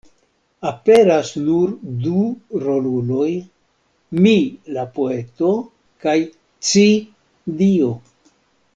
Aperas nur du roluloj: "mi", la poeto; kaj "ci", Dio.